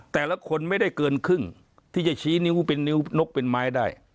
แต่ละคนไม่ได้เกินครึ่งที่จะชี้นิ้วเป็นนิ้วนกเป็นไม้ได้